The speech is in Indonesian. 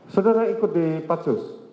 saudara ikut di pansus